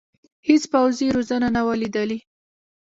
هېڅ پوځي روزنه نه وه لیدلې.